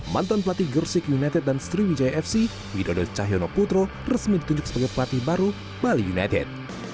mantan pelatih gersik united dan sriwijaya fc widodo cahyono putro resmi ditunjuk sebagai pelatih baru bali united